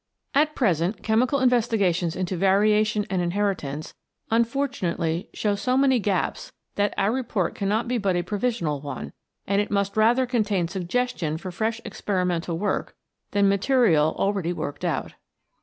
At present chemical investigations into variation and inheritance unfortunately show so many gaps that our report cannot be but a provisional one, and it must rather contain suggestion for fresh experimental work than material already worked out.